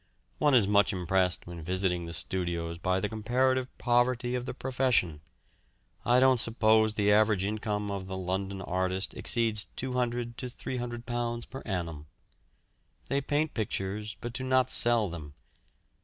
One is much impressed when visiting the studios by the comparative poverty of the profession. I don't suppose the average income of the London artist exceeds £200 to £300 per annum. They paint pictures but do not sell them.